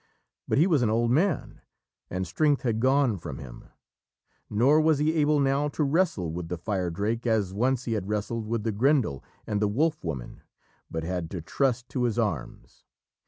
But he was an old man, and strength had gone from him, nor was he able now to wrestle with the Firedrake as once he had wrestled with the Grendel and the Wolf Woman, but had to trust to his arms.